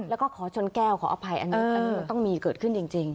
แล้วก็ขอชนแก้วขออภัยอันนี้มันต้องมีเกิดขึ้นจริง